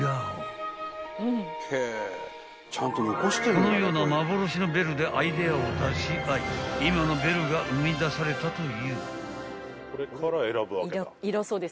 ［このような幻のベルでアイデアを出し合い今のベルが生み出されたという］